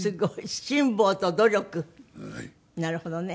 なるほどね。